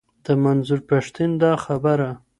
د منظور پښتین دا خبره.